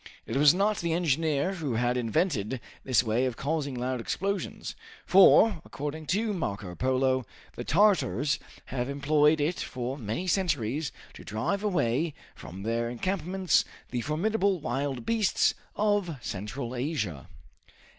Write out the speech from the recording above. It was not the engineer who had invented this way of causing loud explosions, for, according to Marco Polo, the Tartars have employed it for many centuries to drive away from their encampments the formidable wild beasts of Central Asia.